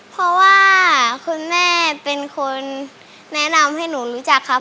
เพราะว่าคุณแม่เป็นคนแนะนำให้หนูรู้จักครับ